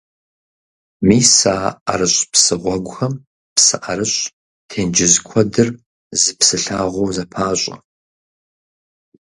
Мис а ӀэрыщӀ псы гъуэгухэм псы ӀэрыщӀ, тенджыз куэдыр зы псы лъагъуэу зэпащӀэ.